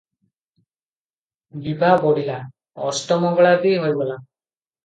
ବିଭା ବଢିଲା, ଅଷ୍ଟମଙ୍ଗଳା ବି ହୋଇଗଲା ।